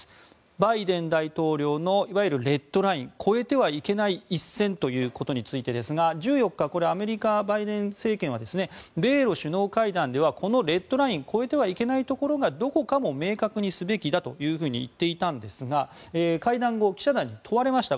バイデン大統領のいわゆるレッドライン越えてはいけない一線ということについてですが１４日、アメリカバイデン政権は米ロ首脳会談ではこのレッドライン越えてはいけないところがどこかも明確にすべきだというふうに言っていたんですが会談後、記者団に問われました。